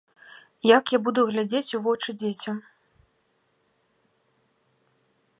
Як я буду глядзець у вочы дзецям?